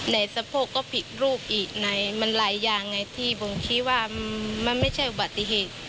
สะโพกก็ผิดรูปอีกมันหลายอย่างไงที่ผมคิดว่ามันไม่ใช่อุบัติเหตุ